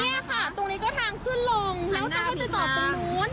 เนี่ยค่ะตรงนี้ก็ทางขึ้นลงแล้วจะให้ไปจอดตรงนู้น